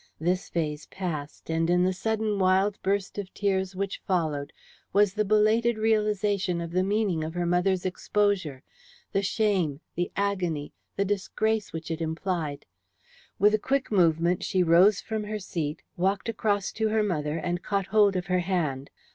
This phase passed, and in the sudden wild burst of tears which followed was the belated realization of the meaning of her mother's exposure; the shame, the agony, the disgrace which it implied. With a quick movement she rose from her seat, walked across to her mother, and caught hold of her hand.